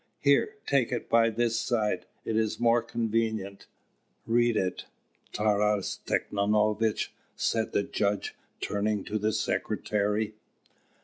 Here, take it by this side; it is more convenient." "Read it, Taras Tikhonovitch," said the judge, turning to the secretary.